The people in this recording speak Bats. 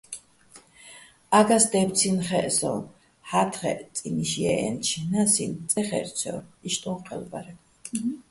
ა́გას დე́ფცინო̆ ხეჸ ცოჼ, ჰ̦ა́თხეჸ წინი́შ ჲე́ჸენჩო̆ ნასინ წე ხე́რცჲორ, იშტუჼ ჴელ ბარ.